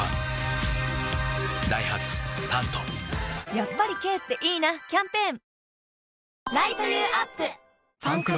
やっぱり軽っていいなキャンペーン「ファンクロス」